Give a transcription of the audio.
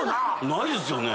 ないですよね。